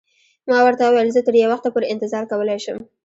ما ورته وویل: زه تر یو وخته پورې انتظار کولای شم.